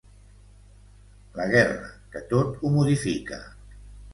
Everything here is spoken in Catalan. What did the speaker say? La guerra, que tot ho modifica.